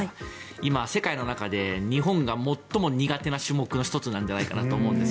今、世界の中で日本が最も苦手な種目の１つだと思うんです。